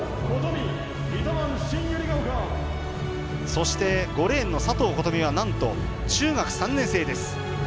そして、５レーンの佐藤琴美はなんと、中学３年生です。